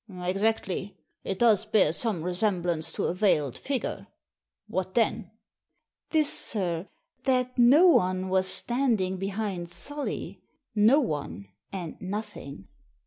"Exactly! It does bear some resemblance to a veiled figure. What then ?"" This, sir : that no one was standing behind Solly. No one, and nothing."